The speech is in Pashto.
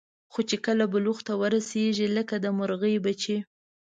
خو چې کله بلوغ ته ورسېږي لکه د مرغۍ بچي.